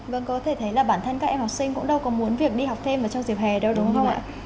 vâng có thể thấy là bản thân các em học sinh cũng đâu có muốn việc đi học thêm vào trong dịp hè đâu đúng không ạ